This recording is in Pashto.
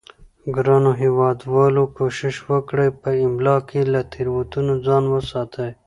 ګرانو هیوادوالو کوشش وکړئ په املا کې له تیروتنې ځان وساتئ